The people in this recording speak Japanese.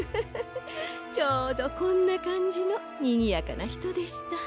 ちょうどこんなかんじのにぎやかなひとでした。